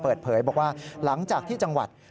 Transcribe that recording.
เปิดเผยบอกว่าหลังจากที่จังหวัด